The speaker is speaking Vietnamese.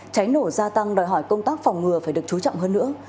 cháy nổ gia tăng đòi hỏi công tác phòng ngừa phải được chú trọng hơn nữa